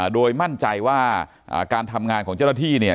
โดยมั่นใจว่าการทำงานของเจ้าหน้าที่